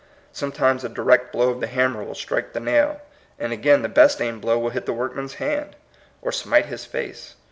Sometimes a direct blow of the hammer will strike the nail, and again the best aimed blow will hit the workman's hand, or smite his face.